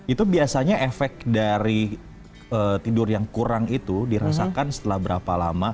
itu biasanya efek dari tidur yang kurang itu dirasakan setelah berapa lama